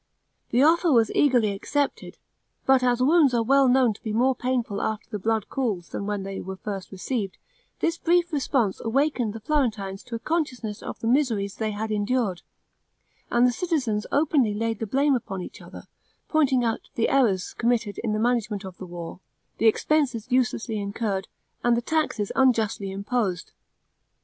The offer was eagerly accepted; but as wounds are well known to be more painful after the blood cools than when they were first received, this brief repose awakened the Florentines to a consciousness of the miseries they had endured; and the citizens openly laid the blame upon each other, pointing out the errors committed in the management of the war, the expenses uselessly incurred, and the taxes unjustly imposed.